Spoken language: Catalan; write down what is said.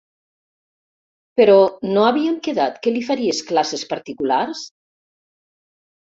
Però no havíem quedat que li faries classes particulars?